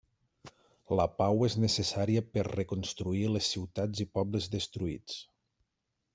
La pau és necessària per reconstruir les ciutats i pobles destruïts.